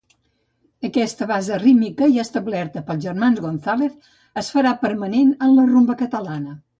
Aquesta base rítmica, ja establerta pels germans González, es farà permanent en la Rumba Catalana.